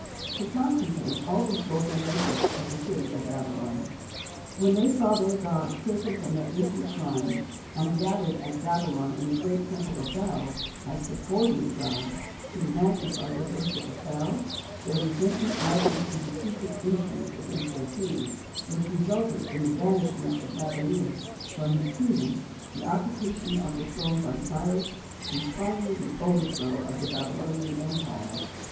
to concentrate all these local worships at the city of Babylon. When they saw their gods taken from their ancient shrines and gathered at Babylon in the great temple of Bel, as subordinate gods to magnify the worship of Bel, their resentment ripened into secret intrigue against their king, which resulted in the banishment of Nabonidus from his kingdom, the occupation of the throne by Cyrus, and finally the overthrow of the Babylonian empire.